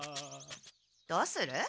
どうする？